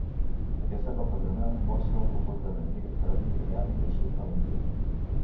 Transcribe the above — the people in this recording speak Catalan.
Aquesta papallona mostra un comportament migratori gregari al sud de l'Índia.